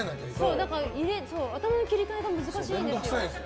だから、頭の切り替えが難しいんですよ。